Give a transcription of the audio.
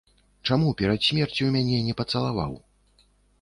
Чаму перад смерцю мяне не пацалаваў?